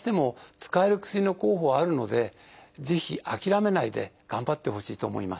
使える薬の候補はあるのでぜひ諦めないで頑張ってほしいと思います。